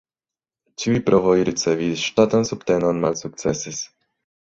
Ĉiuj provoj ricevi ŝtatan subtenon malsukcesis.